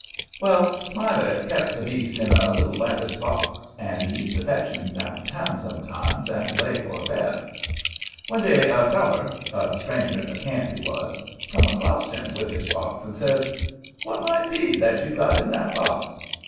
Well, Smiley kep' the beast in a little lattice box, and he used to fetch him downtown sometimes and lay for a bet. One day a feller—a stranger in the camp, he was—come acrost him with his box, and says: "What might be that you've got in the box?"